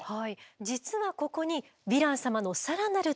実はここにヴィラン様の更なる特徴がございます。